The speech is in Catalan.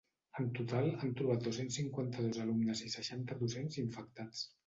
En total, han trobat dos-cents cinquanta-dos alumnes i seixanta docents infectats.